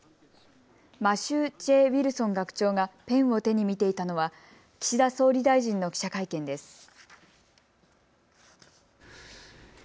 マシュー・Ｊ・ウィルソン学長がペンを手に見ていたのは岸田総理大臣の記者会見です。